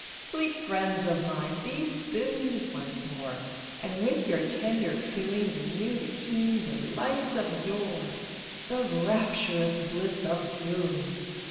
Sweet friends of mine, be spoons once more, And with your tender cooing Renew the keen delights of yore The rapturous bliss of wooing.